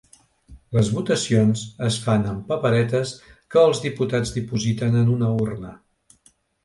Les votacions es fan amb paperetes que els diputats dipositen en una urna.